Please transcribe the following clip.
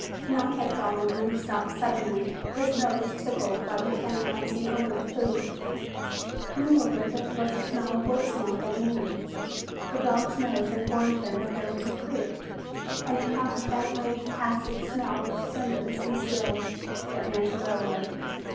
Night had fallen when he stopped suddenly, his nose tickled by the tantalizing odor of food. Mingled with it was the smell of wood smoke and a man. The dog's nose informed him that there was a creek, and he caught the faintly acrid smell of cinders and steel that meant a railroad.